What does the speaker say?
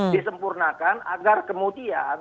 disempurnakan agar kemudian